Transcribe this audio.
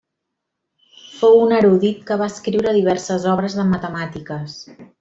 Fou un erudit que va escriure diverses obres de matemàtiques.